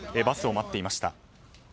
バスを待っていました。